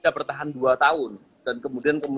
bertahan dua tahun dan kemudian